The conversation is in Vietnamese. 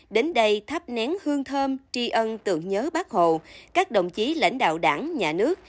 đến đây thắp nén hương thơm tri ân tượng nhớ bắc hồ các đồng chí lãnh đạo đảng nhà nước